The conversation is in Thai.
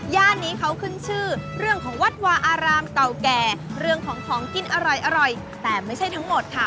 ย่านนี้เขาขึ้นชื่อเรื่องของวัดวาอารามเก่าแก่เรื่องของของกินอร่อยแต่ไม่ใช่ทั้งหมดค่ะ